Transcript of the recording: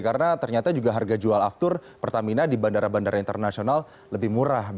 karena ternyata juga harga jual aftur pertamina di bandara bandara internasional lebih murah